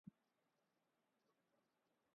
اس کا مطلب یہ ہے کہ وہ جنسی تعلقات کی تہذیب کرتا ہے۔